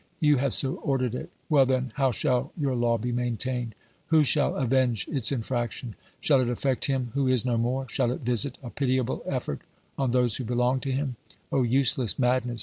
You have so ordered it. Well then, how shall your law be maintained ? Who shall avenge its infraction ? Shall it affect him who is no more ? Shall it visit a pitiable effort on those who belong to him ? Oh useless madness